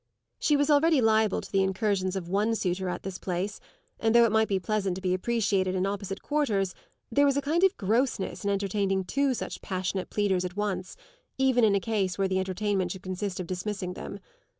She was already liable to the incursions of one suitor at this place, and though it might be pleasant to be appreciated in opposite quarters there was a kind of grossness in entertaining two such passionate pleaders at once, even in a case where the entertainment should consist of dismissing them.